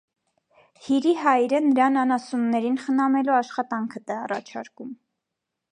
Հիրի հայրը նրան անասուններին խնամելու աշխատանքԴ է առաջարկում։